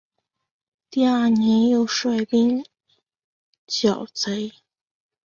第二年又率兵剿贼。